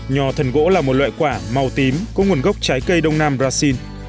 nhò thần gỗ là một loại quả màu tím có nguồn gốc trái cây đông nam brazil